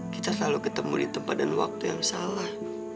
kita selalu ketemu di tempat dan waktu yang salah